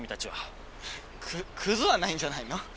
ククズはないんじゃないの？